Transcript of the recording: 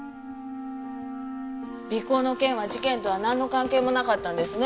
尾行の件は事件とはなんの関係もなかったんですね。